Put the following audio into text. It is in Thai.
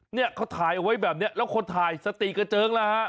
เนี่ยเขาถ่ายเอาไว้แบบนี้แล้วคนถ่ายสติกระเจิงแล้วฮะ